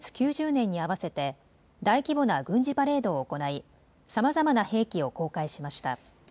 ９０年に合わせて大規模な軍事パレードを行いさまざまな兵器を公開しました。